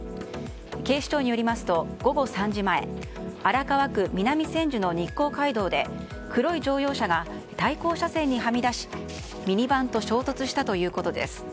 警視庁によりますと午後３時前荒川区南千住の日光街道で黒い乗用車が対向車線にはみ出し、ミニバンと衝突したということです。